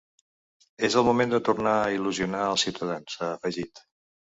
És el moment de tornar a il·lusionar els ciutadans, ha afegit.